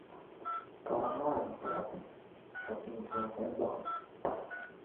Karimmi a litaafi,a tuuntumsa gbaŋ.